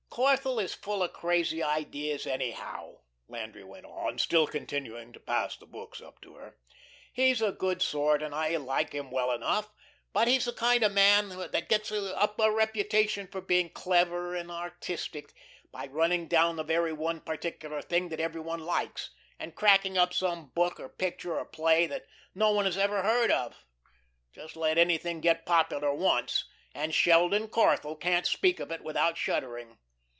"Corthell is full of crazy ideas anyhow," Landry went on, still continuing to pass the books up to her. "He's a good sort, and I like him well enough, but he's the kind of man that gets up a reputation for being clever and artistic by running down the very one particular thing that every one likes, and cracking up some book or picture or play that no one has ever heard of. Just let anything get popular once and Sheldon Corthell can't speak of it without shuddering.